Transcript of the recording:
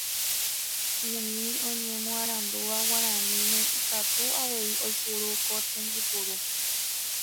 Umi oñemoarandúva guaraníme ikatu avei oiporu ko tembiporu